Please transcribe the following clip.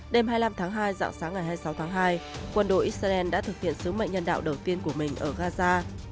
đêm hai mươi năm tháng hai dạng sáng ngày hai mươi sáu tháng hai quân đội israel đã thực hiện sứ mệnh nhân đạo đầu tiên của mình ở gaza